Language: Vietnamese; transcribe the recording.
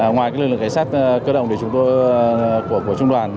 ngoài lực lượng cảnh sát cơ động của trung đoàn